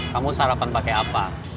kamu sarapan pake apa